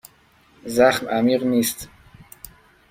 زخم عمیق نیست.